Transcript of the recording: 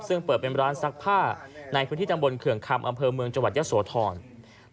ซึ่งเปิดเป็นร้านศักดิ์ผ้าในบริษัทที่ดำบลเขื่องคำอำเภอมือจังหวัดยซโศธรจิพี